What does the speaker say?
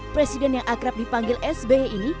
presiden yang akrab dipanggil sby ini